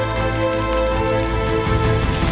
jangan pak reviews